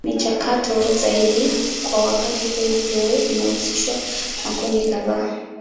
Michakato zaidi kwa wakati huo huo inahusisha makundi kadhaa.